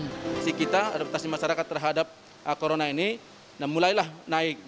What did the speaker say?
kondisi kita adaptasi masyarakat terhadap corona ini mulailah naik